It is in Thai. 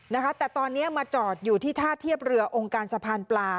นะคะแต่ตอนนี้มาจอดอยู่ที่ท่าเทียบเรือองค์การสะพานปลา